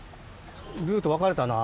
ルート分かれたな。